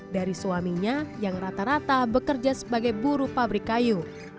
dari suaminya yang rata rata bekerja sebagai buru pabrik kayu